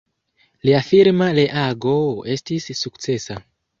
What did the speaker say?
Lia firma reago estis sukcesa.